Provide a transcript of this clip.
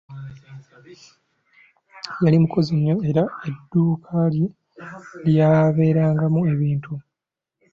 Yali mukozi nnyo era edduuka lye lyabeerangamu ebintu.